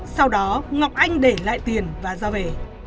sau đó ngọc anh để lại tiền và ra về